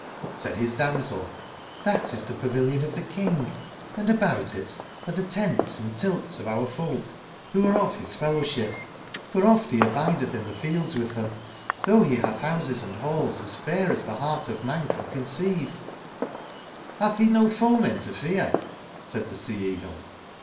Said his damsel: 'Abatis tbe pavilion of tbe King; and about it are 78 tbc tents and tilts of our folk who arc of bis fellow ship: for oft be abidetb in tbe fields witb tbem, tbougb be batb bouses and balls as fair as tbe beart of man can conceive/' ''T)atb beno foemen to fear? said tbe Sea/eagle.